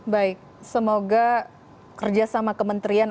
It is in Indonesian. baik semoga kerjasama kementerian